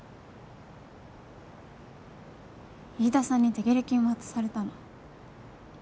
飯田さんに手切れ金渡されたの。